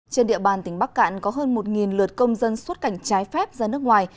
trên địa bàn tỉnh bắc cạn có hơn một lượt công dân xuất cảnh trái phép ra nước ngoài